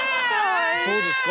そうですか？